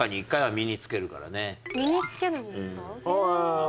身につけるんですか？